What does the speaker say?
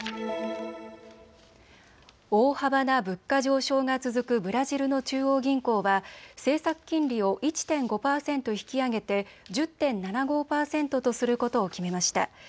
大幅な物価上昇が続くブラジルの中央銀行は政策金利を１．５％引き上げて１０．７５％とすることを決めました。